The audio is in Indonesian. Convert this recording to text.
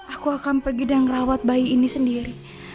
aku akan pergi dan rawat bayi ini sendiri